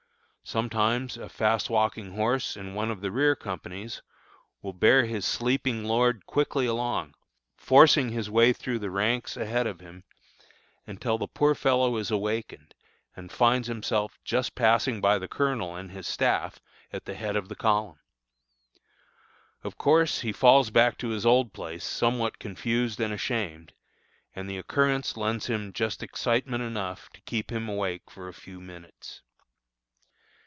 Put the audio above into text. Sometimes a fast walking horse in one of the rear companies will bear his sleeping lord quickly along, forcing his way through the ranks ahead of him, until the poor fellow is awakened, and finds himself just passing by the colonel and his staff at the head of the column! Of course, he falls back to his old place somewhat confused and ashamed, and the occurrence lends him just excitement enough to keep him awake for a few minutes.